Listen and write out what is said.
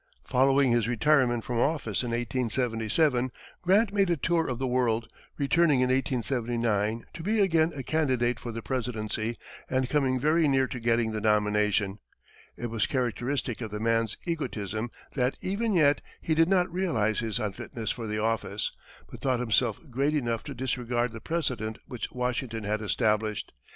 Following his retirement from office in 1877, Grant made a tour of the world, returning in 1879, to be again a candidate for the presidency, and coming very near to getting the nomination. It was characteristic of the man's egotism that, even yet, he did not realize his unfitness for the office, but thought himself great enough to disregard the precedent which Washington had established.